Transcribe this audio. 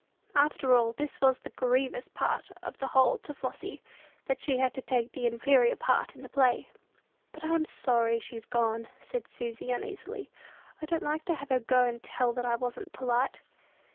After all, this was the grievous part of the whole to Flossy, that she had to take an inferior part in the play. "But I'm sorry she's gone," said Susy, uneasily. "I don't like to have her go and tell that I wasn't polite."